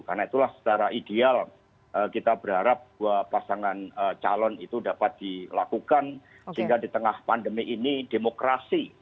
karena itulah secara ideal kita berharap bahwa pasangan calon itu dapat dilakukan sehingga di tengah pandemi ini demokrasi